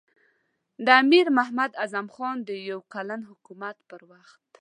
د امیر محمد اعظم خان د یو کلن حکومت په وخت.